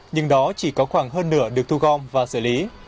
nhưng đó chỉ có khoảng hơn nửa được thu gom và xử lý